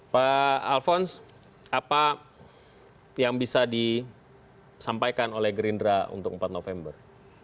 pak alfons apa yang bisa disampaikan oleh gerindra untuk empat november